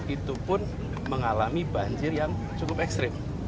itu pun mengalami banjir yang cukup ekstrim